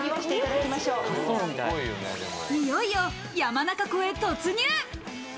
いよいよ山中湖へ突入！